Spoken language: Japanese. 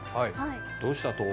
どうしたと？